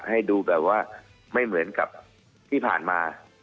ให้ดูไม่เหมือนกับช่วงที่ผ่านมา